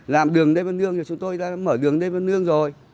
làm đường lê văn lương thì chúng tôi đã mở đường lê văn lương rồi